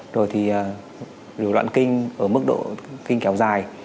rồi thì rủi đoạn kinh ở mức độ kinh kéo dài